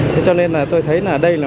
thế cho nên là tôi thấy là đây là